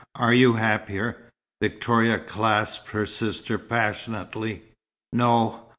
Are you happier?" Victoria clasped her sister passionately. "No.